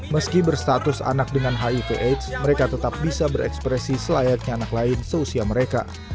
meski berstatus anak dengan hiv aids mereka tetap bisa berekspresi selayaknya anak lain seusia mereka